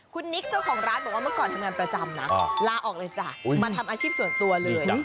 คุณนิกเจ้าของร้านบอกว่าเมื่อก่อนทำงานประจำนะลาออกเลยจ้ะมาทำอาชีพส่วนตัวเลย